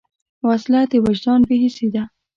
وسله د وجدان بېحسي ده